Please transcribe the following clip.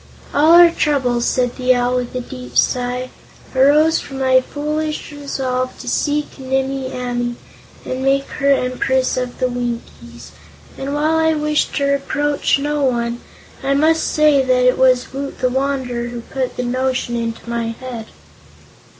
"All our troubles," said the Owl with a deep sigh, "arose from my foolish resolve to seek Nimmie Amee and make her Empress of the Winkies, and while I wish to reproach no one, I must say that it was Woot the Wanderer who put the notion into my head."